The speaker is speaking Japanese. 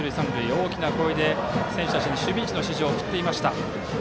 大きな声で選手たちに守備位置の指示を送っていました